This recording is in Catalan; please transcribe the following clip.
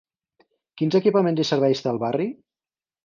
Quins equipaments i serveis té el barri?